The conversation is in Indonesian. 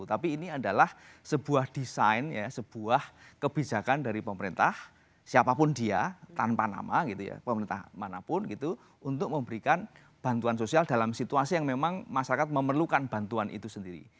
tapi ini adalah sebuah desain ya sebuah kebijakan dari pemerintah siapapun dia tanpa nama gitu ya pemerintah manapun gitu untuk memberikan bantuan sosial dalam situasi yang memang masyarakat memerlukan bantuan itu sendiri